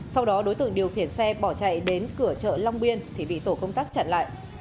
sau đó đối tượng điều khiển xe bỏ chạy đến cửa chợ long biên thì bị tổ công tác chặn lại